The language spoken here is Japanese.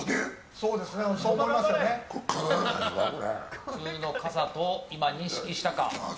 普通の傘と今、認識したか。